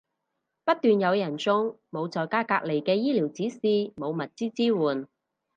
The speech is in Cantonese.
不斷有人中，冇在家隔離嘅醫療指示，冇物資支援